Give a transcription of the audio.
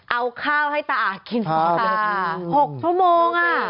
เอาข้าวให้ตาอากิน๖ชั่วโมง